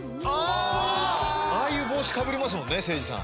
ああいう帽子かぶりますもんね。